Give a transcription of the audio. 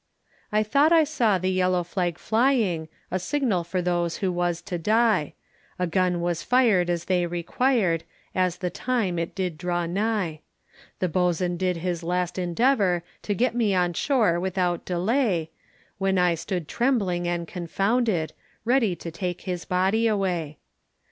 I thought I saw the yellow flag flying, A signal for those who was to die; A gun was fired as they required, As the time it did draw nigh. The boatswain did his best endeavour To get me on shore without delay, When I stood trembling and confounded, Ready to take his body away.